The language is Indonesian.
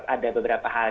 ada beberapa hal